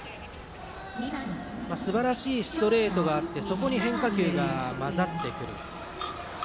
すばらしいストレートがあってそこに変化球が交ざってくる。